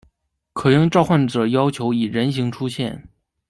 可应召唤者要求以人形出现。